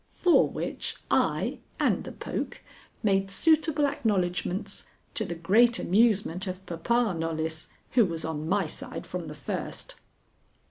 For which I, and the poke, made suitable acknowledgments, to the great amusement of papa Knollys, who was on my side from the first.